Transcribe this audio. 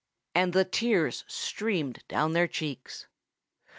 And the tears streamed down their cheeks.